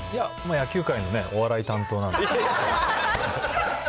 野球界のお笑い担当なんで。